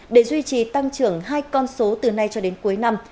để duy trì tăng trưởng hai con số từ nay cho đến cuối năm